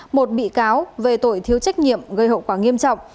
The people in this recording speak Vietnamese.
một bị cáo về tội thiếu trách nhiệm gây hậu quả nghiêm trọng